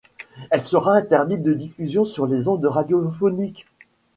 Elle sera interdite de diffusion sur les ondes radiophoniques.